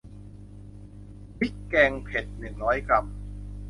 พริกแกงเผ็ด หนึ่งร้อยกรัม